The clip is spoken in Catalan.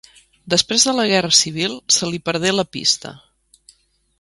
Després de la guerra civil se li perdé la pista.